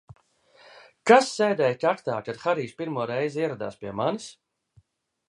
Kas sēdēja kaktā, kad Harijs pirmoreiz ieradās pie manis?